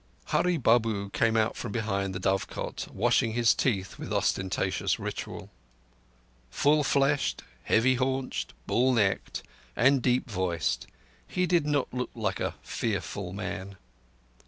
Hurree Babu came out from behind the dovecote washing his teeth with ostentatious ritual. Full fleshed, heavy haunched, bull necked, and deep voiced, he did not look like "a fearful man".